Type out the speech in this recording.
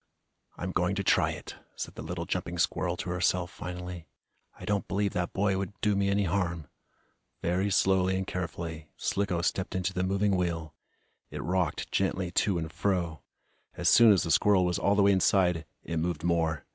"I'm going to try it!" said the little jumping squirrel to herself, finally. "I don't believe that boy would do me any harm." Very slowly and carefully, Slicko stepped into the moving wheel. It rocked gently to and fro. As soon as the squirrel was all the way inside, it moved more.